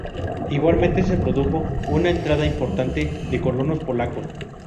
Igualmente, se produjo una entrada importante de colonos polacos.